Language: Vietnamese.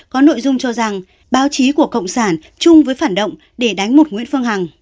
có nội dung cho rằng báo chí của cộng sản chung với phản động để đánh một nguyễn phương hằng